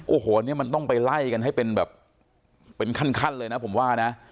โอ้โหเนี่ยมันต้องไปไล่กันให้เป็นแบบเป็นขั้นเลยนะผมว่านะ